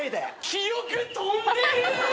記憶飛んでる！